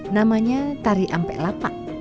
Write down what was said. namanya tari ampe lapak